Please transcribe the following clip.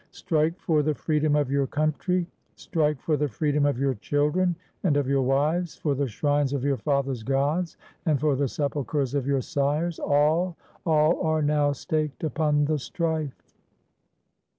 Strike for the freedom of your country! Strike for the freedom of your children and of your wives — for the shrines of your fathers' gods, and for the sepul chers of your sires. All — all are now staked upon the strife."